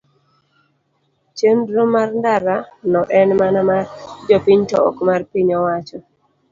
Chenro mar ndara no en mana mar jopiny to ok mar piny owacho.